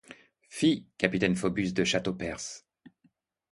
Fi, capitaine Phoebus de Châteaupers!